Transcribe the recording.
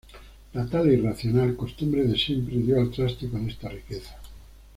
La tala irracional, costumbre de siempre dio al traste con esta riqueza.